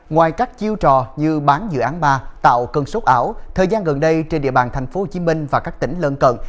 ngoài các chiêu trò như bán dự án ba tạo cơn sốt ảo thời gian gần đây trên địa bàn tp hcm và các tỉnh lân cận